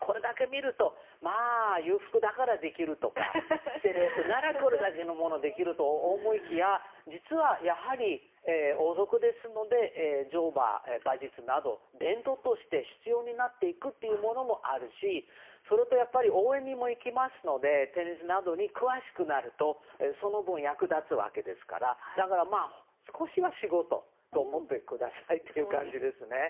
これだけ見るとまあ、裕福だからできるとかセレブだからこれだけのものができると思いきや実は、やはり王族ですので乗馬、馬術など必要になっていくものもあるしそれと、応援にも行きますのでテニスなどに詳しくなるとその分、役立つわけですからだから、少しは仕事と思ってくださいという感じですね。